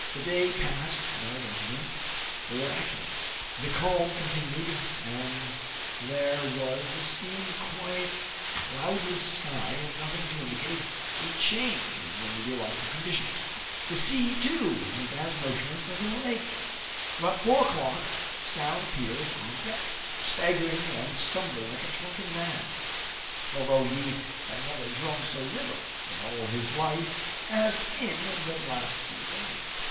The day passed without incidents or accidents. The calm continued ; and there was the same quiet, cloudless sky, and nothing to indicate a change in the meteorological conditions. The sea, too, was as motionless as a lake. About four o'clock Soun appeared on deck, staggering and stumbling like a drunken man, although he had never drunk so little in all his life as in the last few days.